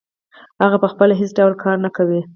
هغه پخپله هېڅ ډول کار نه کوي